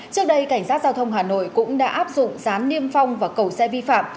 trước đây cảnh sát giao thông hà nội cũng đã áp dụng gián niêm phong và cầu xe vi phạm